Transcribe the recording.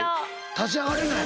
立ち上がれない。